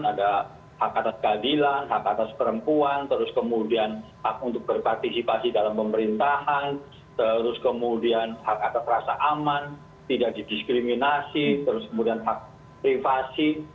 ada hak atas keadilan hak atas perempuan terus kemudian hak untuk berpartisipasi dalam pemerintahan terus kemudian hak atas rasa aman tidak didiskriminasi terus kemudian hak privasi